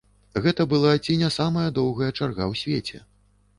Гэта была ці не самая доўгая чарга ў свеце.